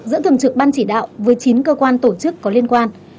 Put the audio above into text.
giữa thường trực ban chỉ đạo với chín cơ quan tổ chức có liên quan